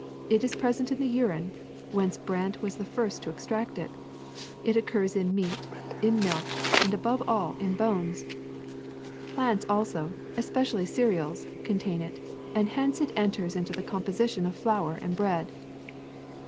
It is present in the urine, whence Brandt was the first to extract it; it occurs in meat, in milk, and above all in bones. 112 THE SECRET OF EVERYDAY THINGS Plants also, especially cereals, contain it, and hence it enters into the composition of flour and of bread.